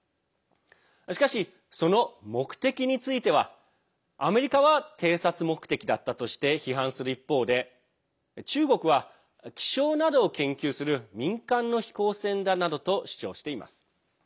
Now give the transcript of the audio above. しかし、その目的についてはアメリカは偵察目的だったとして批判する一方で中国は、気象などを研究する民間の飛行船だなどと主張しています。